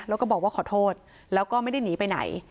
แล้วก็บอกว่าขอโทษแล้วก็ไม่ได้หนีไปไหน